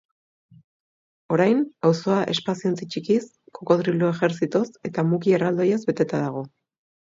Orain auzoa espaziontzi txikiz, kokodrilo ejertzitoz eta muki erraldoiz beteta dago.